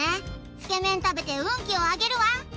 つけ麺食べて運気を上げるわ！